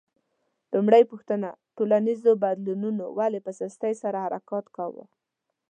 لومړۍ پوښتنه: ټولنیزو بدلونونو ولې په سستۍ سره حرکت کاوه؟